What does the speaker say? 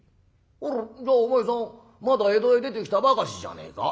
あらじゃあお前さんまだ江戸へ出てきたばかしじゃねえか」。